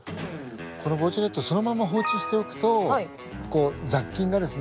この防虫ネットをそのまま放置しておくと雑菌がですね